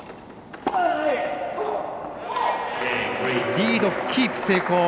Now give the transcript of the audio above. リード、キープ成功。